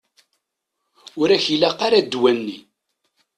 Ur ak-ilaq ara ddwa-nni.